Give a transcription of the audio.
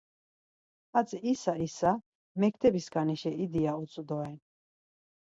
Hatzi isa isa mektebiskanişa idi ya utzvu doren.